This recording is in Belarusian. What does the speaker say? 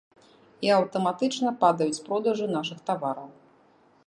І, аўтаматычна, падаюць продажы нашых тавараў.